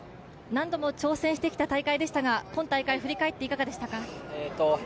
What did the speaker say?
何度も挑戦してきた大会でしたが今大会振り返っていかがでしたか。